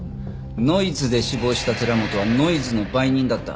ノイズで死亡した寺本はノイズの売人だった。